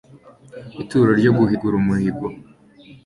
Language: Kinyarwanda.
ituro ryo guhigura umuhigo